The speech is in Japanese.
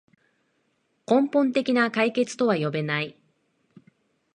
根本的な解決とは呼べない